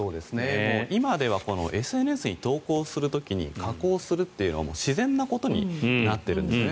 今ではＳＮＳに投稿する時に加工するというのは自然なことになっているんですね。